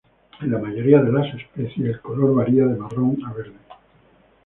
En la mayoría de las especies el color varía de marrón a verde.